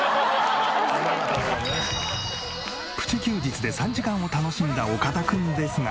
プチ休日で３時間を楽しんだ岡田君ですが。